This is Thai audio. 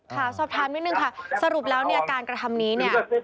ค่ะสอบถามนิดนึงค่ะสรุปแล้วเนี่ยการกระทำนี้เนี่ย